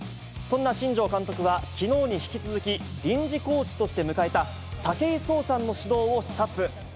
そんな新庄監督は、きのうに引き続き、臨時コーチとして迎えた武井壮さんの指導を視察。